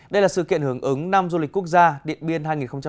đây là sự kiện hưởng ứng năm du lịch quốc gia điện biên hai nghìn hai mươi bốn